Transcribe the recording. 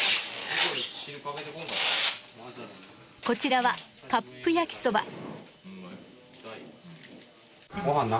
こちらはカップ焼きそば。